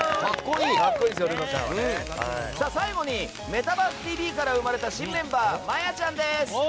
最後に「メタバースＴＶ！！」から生まれた新メンバーまやちゃんです。